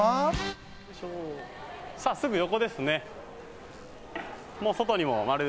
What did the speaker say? さぁ、すぐ横ですね。